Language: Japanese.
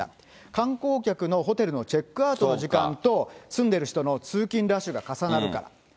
観光客のホテルのチェックアウトの時間と、住んでる人の通勤ラッシュが重なるから。